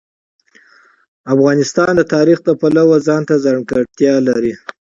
افغانستان د تاریخ د پلوه ځانته ځانګړتیا لري.